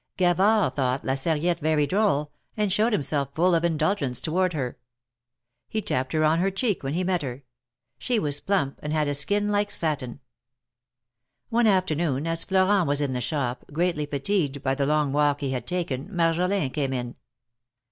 Gavard thought La Sar riette very droll, and showed himself full of indulgence 90 THE MARKETS OF PARIS. toward her. He tapped her on her cheek when he met her. She was plump, and had a skin like satin. One afternoon, as Florent was in the shop, greatly fatigued by the long walk he had taken, Marjolin came in.